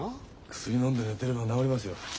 薬のんで寝てれば治りますよ。